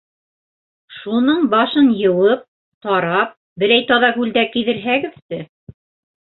Шуның башын йыуып тарап, берәй таҙа күлдәк кейҙерһәңсе!